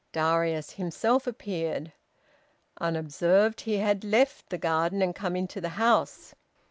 Darius himself appeared. Unobserved, he had left the garden and come into the house.